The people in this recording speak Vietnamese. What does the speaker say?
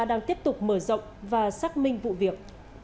đang tiếp tục mở rộng và xác minh vụ việc